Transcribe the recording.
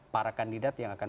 para kandidat yang akan